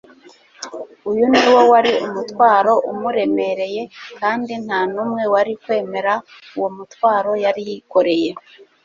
Uyu niwo wari umutwaro umuremereye, kandi nta n'umwe wari kwemera uwo mutwaro yari yikoreye